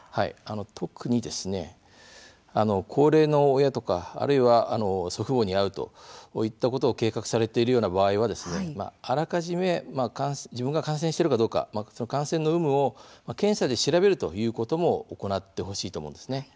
特に、高齢の親とかあるいは祖父母に会うといったことを計画されている場合はあらかじめ自分が感染しているかどうか感染の有無を検査で調べるということも行ってほしいと思うんです。